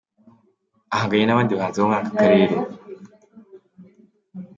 Ahanganye n'abandi bahanzikazi bo muri aka Karere.